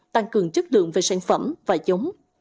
tăng cường chất lượng về sản phẩm và giống